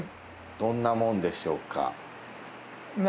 どんなもんでしょうか？